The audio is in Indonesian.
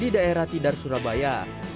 di daerah tidar surabaya